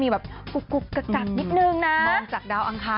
ไม่ต้องมีราวหนา